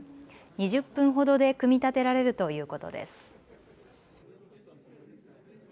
２０分ほどで組み立てられるということです。